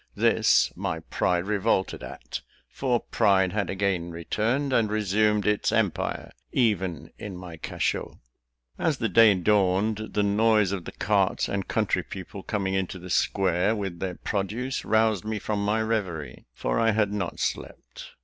This my pride revolted at; for pride had again returned, and resumed its empire, even in my cachot. As the day dawned, the noise of the carts and country people coming into the square with their produce, roused me from my reverie, for I had not slept.